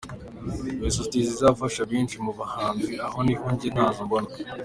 Izo sosiyete zifasha benshi mu bahanzi aho hano njye ntazo mbona.